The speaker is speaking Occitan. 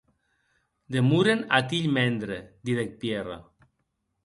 Demoren ath hilh mendre, didec Pierre.